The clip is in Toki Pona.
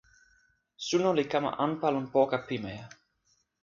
suno li kama anpa lon poka pimeja.